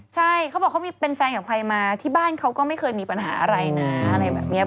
ใช่เขาบอกเขาเป็นแฟนกับใครมาที่บ้านเขาก็ไม่เคยมีปัญหาอะไรนะอะไรแบบนี้